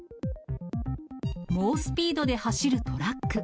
猛スピードで走るトラック。